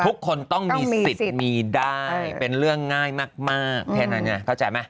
ทุกคนต้องมีสิทธิ์มีได้เป็นเรื่องง่ายมากแค่นั้นไงเข้าใจไหม